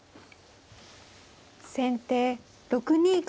先手６二角。